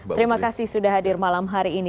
terima kasih sudah hadir malam hari ini